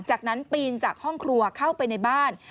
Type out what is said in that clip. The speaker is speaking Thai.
จากนั้นปีนจากห้องครัวเข้าไปในบ้าน